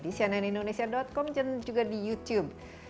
di cnnindonesia com dan juga di youtube